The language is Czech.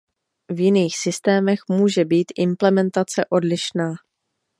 V jiných systémech může být implementace odlišná.